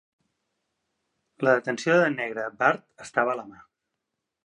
La detenció de negre Bart estava a la mà.